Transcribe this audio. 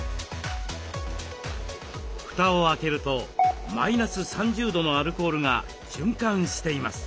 蓋を開けるとマイナス３０度のアルコールが循環しています。